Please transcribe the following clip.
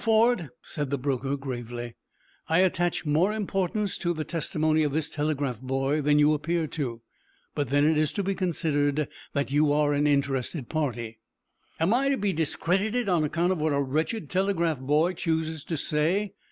Ford," said the broker, gravely, "I attach more importance to the testimony of this telegraph boy than you appear to; but then it is to be considered that you are an interested party." "Am I to be discredited on account of what a wretched telegraph boy chooses to say?"